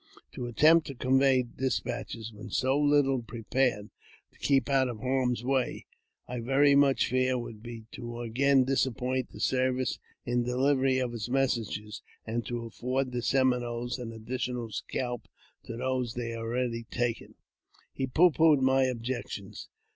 To attempt to convey despatches while so little prepared to keep out of harm's way, I very much fear, would be to again disappoint the service in the delivery of its messages, and to afford the Seminoles an additional scalp to those they have already taken." He pooh poohed my objections.